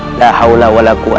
tidak ada yang bisa dikawal